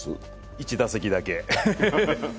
１打席だけ。